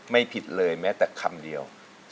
ไม่ผิดเลยแม้แต่คำเดียว